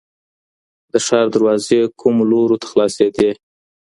د ښار دروازې کومو لوریو ته خلاصېدې؟